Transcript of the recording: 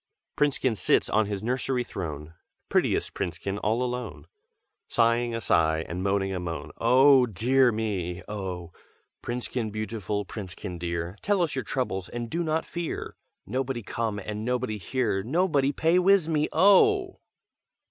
_ "Princekin sits on his nursery throne, Prettiest Princekin, all alone, Sighing a sigh, and moaning a moan, 'Oh dear me! oh!' 'Princekin beautiful, Princekin dear, Tell us your troubles, and do not fear!' 'Nobody come, and nobody here, Nobody p'ay wiz me, oh!'